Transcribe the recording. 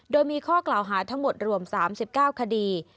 โดยมีข้อกล่าวหาทั้งหมดรวม๓๙คดี